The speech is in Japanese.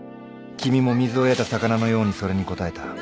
君も水を得た魚のようにそれに応えた。